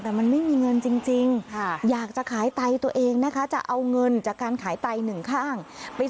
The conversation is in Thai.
แต่มันไม่มีเงินจริง